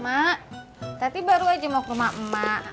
mak tadi baru aja mau ke rumah emak